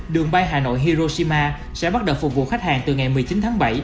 đường bay hà nội hiroshima sẽ bắt đầu phục vụ khách hàng từ ngày một mươi chín tháng bảy